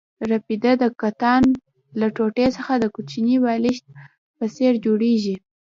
رپیده د کتان له ټوټې څخه د کوچني بالښت په څېر جوړېږي.